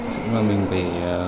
chúng ta mình phải